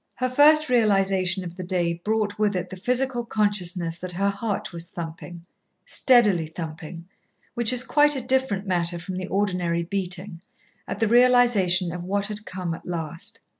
Her first realisation of the day brought with it the physical consciousness that her heart was thumping steadily thumping, which is quite a different matter from the ordinary beating at the realisation of what had come at last.